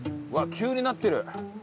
急になってる。